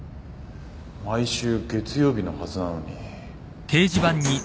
毎週月曜日のはずなのに。